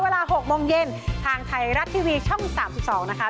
เวลา๖โมงเย็นทางไทยรัฐทีวีช่อง๓๒นะคะ